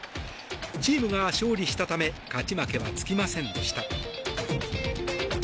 チームが勝利したため勝ち負けはつきませんでした。